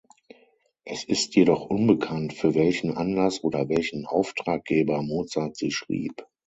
Es ist jedoch unbekannt, für welchen Anlass oder welchen Auftraggeber Mozart sie schrieb.